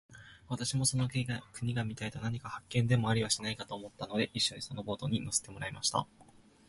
私もその国が見たいのと、何か発見でもありはしないかと思ったので、一しょにそのボートに乗せてもらいました。